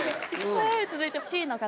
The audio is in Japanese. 続いて。